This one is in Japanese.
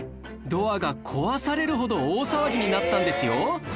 ドアが壊されるほど大騒ぎになったんですよ